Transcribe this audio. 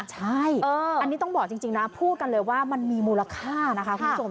ใช่อันนี้ต้องบอกจริงนะพูดกันเลยว่ามันมีมูลค่านะคะคุณผู้ชม